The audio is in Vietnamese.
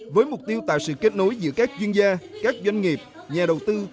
với mục tiêu tạo sự kết nối giữa các chuyên gia các doanh nghiệp nhà đầu tư